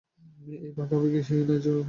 এই ভাগাভাগি নায্য হয়েছে, পাপি।